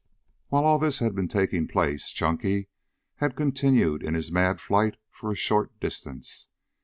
While all this had been taking place Chunky had continued in his mad flight for a short distance.